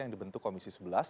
yang dibentuk komisi sebelas